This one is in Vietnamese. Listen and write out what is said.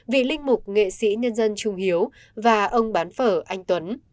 vì linh mục nghệ sĩ nhân dân trung hiếu và ông bán phở anh tuấn